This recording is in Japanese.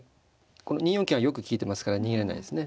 この２四桂がよく利いてますから逃げれないですね。